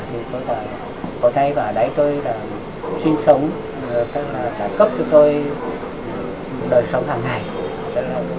thì hồ tây ở đấy tôi đã sinh sống cấp cho tôi đời sống hàng ngày